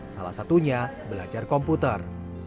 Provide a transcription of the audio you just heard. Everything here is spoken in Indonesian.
salah satunya belajar komputer